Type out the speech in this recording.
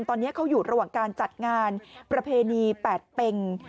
ตอนนี้เขาอยู่ระหว่างการจัดงานประเพณีแปดเป็ง